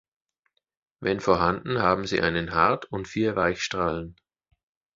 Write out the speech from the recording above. Wenn vorhanden haben sie einen Hart- und vier Weichstrahlen.